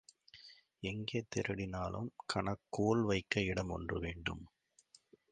எங்கே திருடினாலும் கன்னக்கோல் வைக்க இடம் ஒன்று வேண்டும்.